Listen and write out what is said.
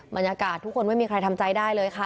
บรรยากาศทุกคนไม่มีใครทำใจได้เลยค่ะ